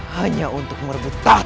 hanya untuk merbuta